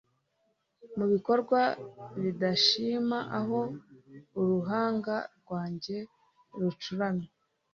Mubikorwa bidashima aho uruhanga rwanjye rucuramye